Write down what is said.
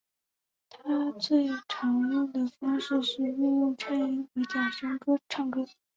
他最常用的方式是运用颤音和假声唱歌。